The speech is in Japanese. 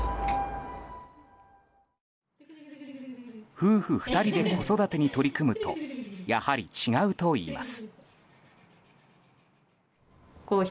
夫婦２人で子育てに取り組むとやはり違うといいます。